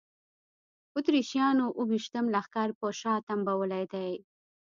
اتریشیانو اوه ویشتم لښکر په شا تنبولی دی.